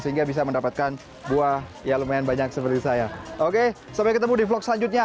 sehingga bisa mendapatkan buah ya lumayan banyak seperti saya oke sampai ketemu di vlog selanjutnya